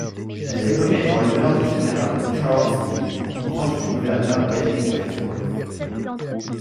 Elle est nommée en l'honneur du général Charles Lee, proche du gouverneur Benning Wentworth.